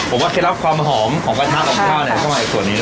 ผมว่าเคล็ดลับความหอมของกระทะกับข้าวเนี่ยเข้ามาอีกส่วนหนึ่ง